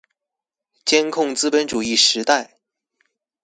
監控資本主義時代